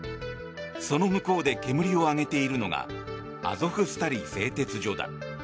その向こうで煙を上げているのがアゾフスタリ製鉄所だ。